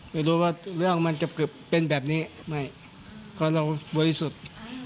ไม่รู้ว่าเรื่องมันจะเกือบเป็นแบบนี้ไม่เพราะเราบริสุทธิ์